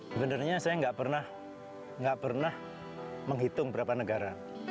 sebenarnya saya nggak pernah menghitung berapa negara